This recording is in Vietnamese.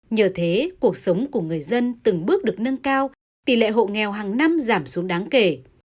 nhờ thế cuộc sống của người dân từng bước được nâng cao tỷ lệ hộ nghèo hàng năm giảm xuống đáng kể